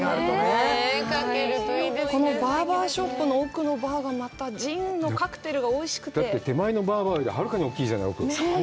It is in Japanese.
このバーバーショップの奥のバーがジンのカクテルがおいしくて、手前のバーバーより、はるかに大きいじゃない。